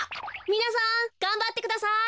みなさんがんばってください。